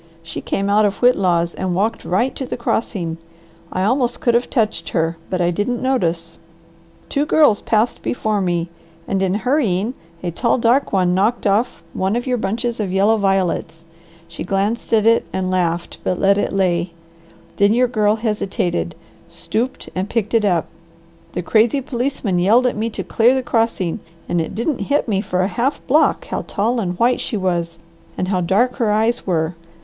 She came out of Whitlaw's and walked right to the crossing. I almost could have touched her, but I didn't notice. Two girls passed before me, and in hurrying, a tall, dark one knocked off one of your bunches of yellow violets. She glanced at it and laughed, but let it lay. Then your girl hesitated stooped and picked it up. The crazy policeman yelled at me to clear the crossing and it didn't hit me for a half block how tall and white she was and how dark her eyes were.